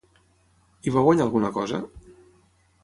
Hi va guanyar alguna cosa?